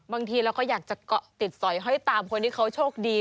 บางทีเราก็อยากจะเกาะติดสอยห้อยตามคนที่เขาโชคดี